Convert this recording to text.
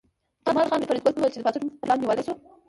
جمال خان فریدګل ته وویل چې د پاڅون پلان نیول شوی